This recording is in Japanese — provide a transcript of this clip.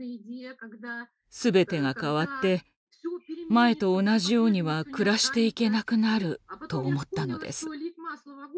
すべてが変わって前と同じようには暮らしていけなくなる」と思ったのです。